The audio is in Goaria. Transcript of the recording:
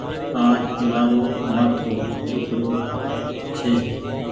آج مآرو مآٿو ۮيک رو ڇي۔